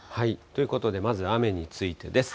ということでまず雨についてです。